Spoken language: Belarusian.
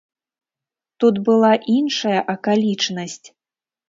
Тут была іншая акалічнасць.